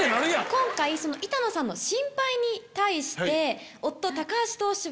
今回板野さんの心配に対して。